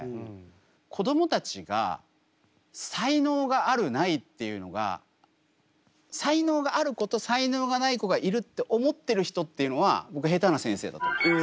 子どもたちが才能があるないっていうのが才能がある子と才能がない子がいるって思ってる人っていうのは僕へたな先生だと思います。